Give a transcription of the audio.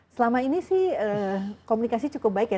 selama ini sih komunikasi cukup baik ya